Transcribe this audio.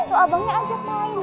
tuh abangnya ajak main